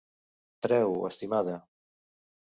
Treu-ho, estimada.